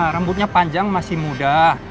rembutnya panjang masih muda